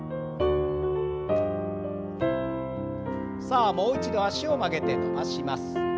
さあもう一度脚を曲げて伸ばします。